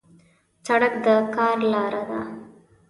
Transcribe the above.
سړک د کار لار ده.